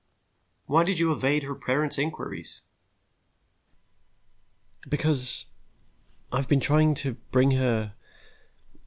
"Why did you evade her parents' inquiries?" "Because ... I have been trying to bring her